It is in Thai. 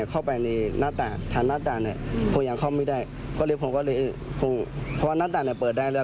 อยู่ข้างล่างห้องตรงที่มงสั้นมงเดือนพี่น้องสองคนอยู่ด้วยกันนั่นแหละครับ